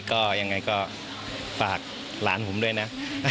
ก็ยังไงก็ฝากหลานผมด้วยนะ